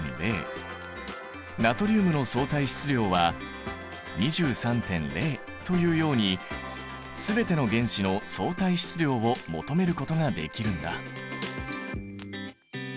ナトリウムの相対質量は２３．０というように全ての原子の相対質量を求めることができるんだ。